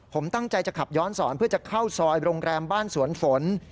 ผมตั้งใจจะขับย้อนสอนเพื่อจะเข้าซอยโรงแรมบ้านสวนฝน